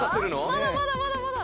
まだまだまだまだ！